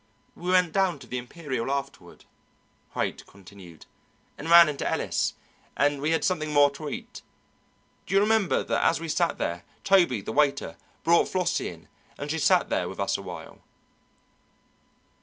"We went down to the Imperial afterward," Haight continued, "and ran into Ellis, and we had something more to eat. Do you remember that as we sat there, Toby, the waiter, brought Flossie in, and she sat there with us a while?"